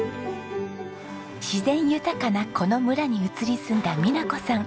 自然豊かなこの村に移り住んだ美奈子さん。